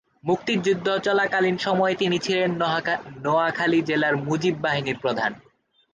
মুক্তিযুদ্ধ চলাকালীন সময়ে তিনি ছিলেন নোয়াখালী জেলা মুজিব বাহিনীর প্রধান।